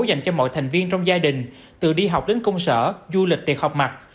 dành cho mọi thành viên trong gia đình từ đi học đến công sở du lịch tiệc học mặt